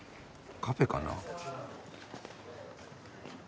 カフェかな？